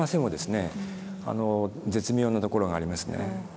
絶妙なところがありますね。